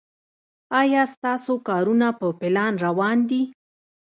ایا ستاسو کارونه په پلان روان دي؟